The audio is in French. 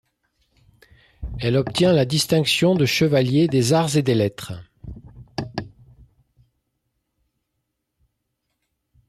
Elle obtient la distinction de chevalier des Arts et des Lettres.